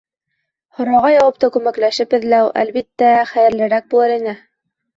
Һорауға яуапты күмәкләшеп эҙләү, әлбиттә, хәйерлерәк булыр ине.